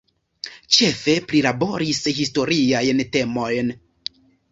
Ĉefe prilaboris historiajn temojn.